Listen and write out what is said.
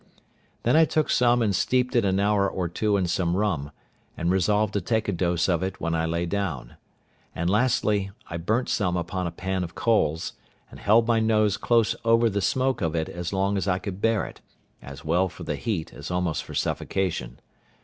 Then I took some and steeped it an hour or two in some rum, and resolved to take a dose of it when I lay down; and lastly, I burnt some upon a pan of coals, and held my nose close over the smoke of it as long as I could bear it, as well for the heat as almost for suffocation.